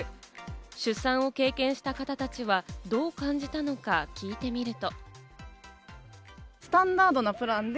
出産を経験した方たちは、どう感じたのか聞いてみると。